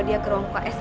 dia ke ruang ps